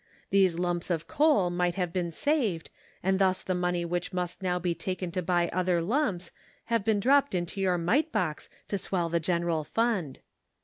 These lumps of coal might have been saved, and thus the money which must now be taken to buy other lumps have been dropped into your mite box to swell the general fund."